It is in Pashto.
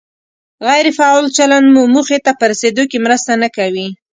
غیر فعال چلند مو موخې ته په رسېدو کې مرسته نه کوي.